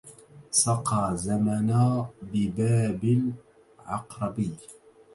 سقى زمنا ببابل عقربي